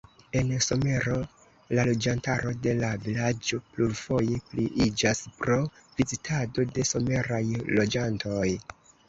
En somero la loĝantaro de la vilaĝo plurfoje pliiĝas pro vizitado de someraj loĝantoj.